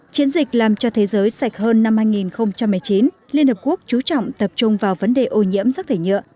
chiến dịch làm cho thế giới sạch hơn năm hai nghìn một mươi chín liên hợp quốc chú trọng tập trung vào vấn đề ô nhiễm rác thải nhựa